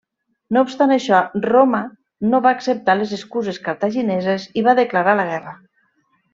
No obstant això, Roma no va acceptar les excuses cartagineses, i va declarar la guerra.